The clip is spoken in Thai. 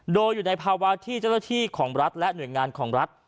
โดยอยู่ในภาวะที่เจ้าหน้าที่ของรัฐและหน่วยงานของรัฐ